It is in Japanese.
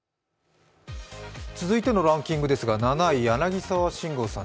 続いてのランキングですが７位、柳沢慎吾さん